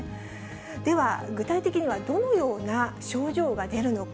では、具体的にはどのような症状が出るのか。